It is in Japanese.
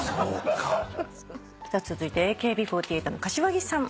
続いてＡＫＢ４８の柏木さん